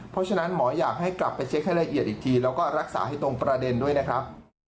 เพราะฉะนั้นหมออยากให้กลับไปเช็คให้ละเอียดอีกทีแล้วก็รักษาให้ตรงประเด็นด้วยนะครับ